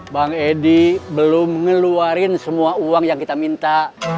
bang edi belum ngeluarin semua uang yang kita minta